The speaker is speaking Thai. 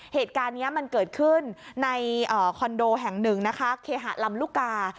เหตุการณ์นี้มันเกิดขึ้นในคอนโดแห่งหนึ่งนะคะเคหะลำลูกกา